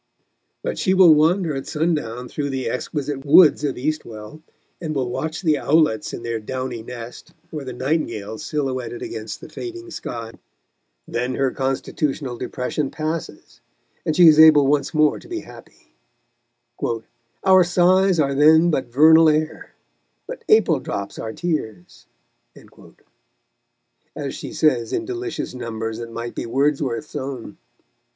But she will wander at sundown through the exquisite woods of Eastwell, and will watch the owlets in their downy nest or the nightingale silhouetted against the fading sky. Then her constitutional depression passes, and she is able once more to be happy: Our sighs are then but vernal air, But April drops our tears, as she says in delicious numbers that might be Wordsworth's own.